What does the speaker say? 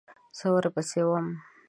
زه ورپسې وم .